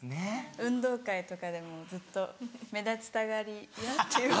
運動会とかでもずっと目立ちたがり屋っていうか。